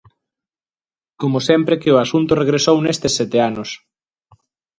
Como sempre que o asunto regresou nestes sete anos.